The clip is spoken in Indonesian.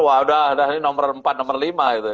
wah udah ini nomor empat nomor lima